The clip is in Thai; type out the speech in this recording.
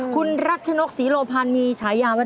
คุณรัชนุกศรีโรพันมีใช้ยาว่า